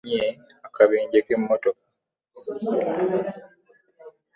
Yagunye akabenje k'emotoka .